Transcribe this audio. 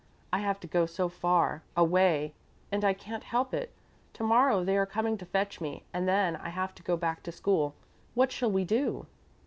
I have to go so far away and I can't help it. To morrow they are coming to fetch me and then I have to go back to school. What shall we do?"